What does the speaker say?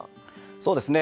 そうですね